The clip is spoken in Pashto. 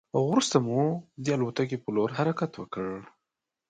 وروسته مو د الوتکې په لور حرکت وکړ.